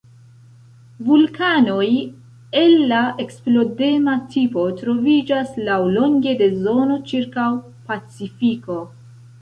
Vulkanoj el la eksplodema tipo troviĝas laŭlonge de zono ĉirkaŭ Pacifiko.